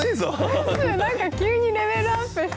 何か急にレベルアップしすぎて。